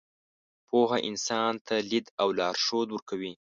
پوهه انسان ته لید او لارښود ورکوي.